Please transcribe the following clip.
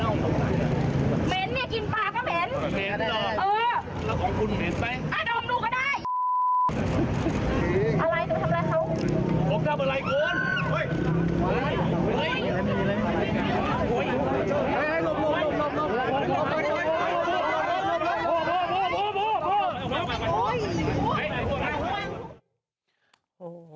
โอ้โห